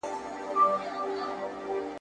نه د جنګ وه نه د ښکار نه د وژلو !.